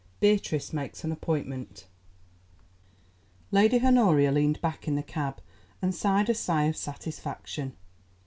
BEATRICE MAKES AN APPOINTMENT Lady Honoria leaned back in the cab, and sighed a sigh of satisfaction.